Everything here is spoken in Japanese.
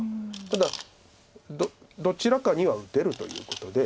ただどちらかには打てるということで。